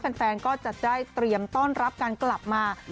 แฟนก็จะได้เตรียมต้อนรับการกลับมา